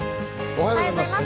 おはようございます。